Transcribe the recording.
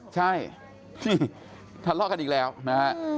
ใช่ทะเลาะกันอีกแล้วนะฮะ